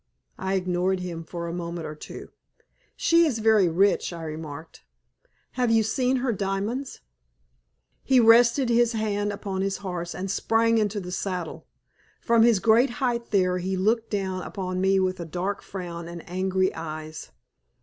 I ignored him for a moment or two. "She is very rich," I remarked. "Have you seen her diamonds?" He rested his hand upon his horse and sprang into the saddle. From his great height there he looked down upon me with a dark frown and angry eyes.